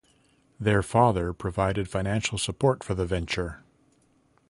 Their father provided financial support for the venture.